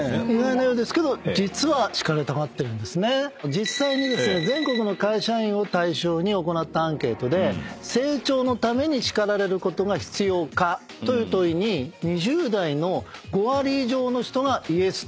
実際に全国の会社員を対象に行ったアンケートで成長のために叱られることが必要かという問いに２０代の５割以上の人がイエスと答えていますね。